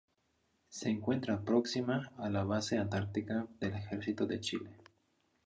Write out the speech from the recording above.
Se encuentra próxima a la Base Antártica del Ejercito de Chile.